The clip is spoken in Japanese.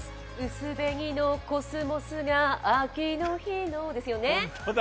薄紅のコスモスが秋の日のですよね。